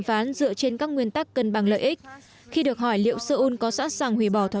phán dựa trên các nguyên tắc cân bằng lợi ích khi được hỏi liệu seoul có sẵn sàng hủy bỏ thỏa